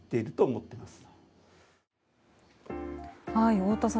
太田さん